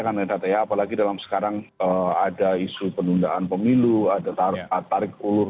karena apalagi dalam sekarang ada isu penundaan pemilu ada tarik ulur